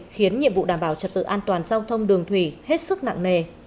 khiến nhiệm vụ đảm bảo trật tự an toàn giao thông đường thủy hết sức nặng nề